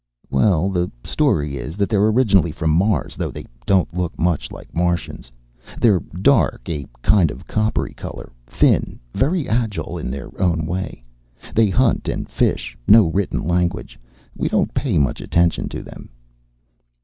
"Well, the story is that they're originally from Mars. They don't look much like Martians, though. They're dark, a kind of coppery color. Thin. Very agile, in their own way. They hunt and fish. No written language. We don't pay much attention to them."